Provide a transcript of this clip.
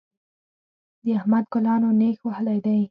د احمد ګلانو نېښ وهلی دی.